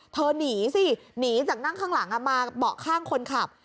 หนีสิหนีจากนั่งข้างหลังมาเบาะข้างคนขับ